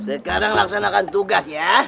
sekarang laksanakan tugas ya